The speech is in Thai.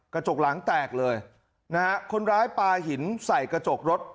กระจกหลังแตกเลยนะฮะคนร้ายปลาหินใส่กระจกรถ